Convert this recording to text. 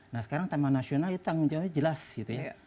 nah sekarang taman nasional itu tanggung jawabnya jelas gitu ya